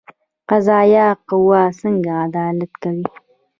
قضایه قوه څنګه عدالت کوي؟